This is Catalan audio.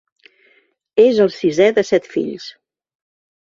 És el sisè de set fills.